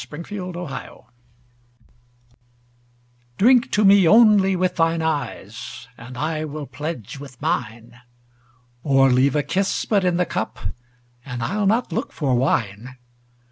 Y Z To Celia DRINK to me, only, with thine eyes, And I will pledge with mine; Or leave a kiss but in the cup, And I'll not look for wine.